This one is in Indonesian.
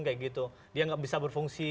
kayak gitu dia nggak bisa berfungsi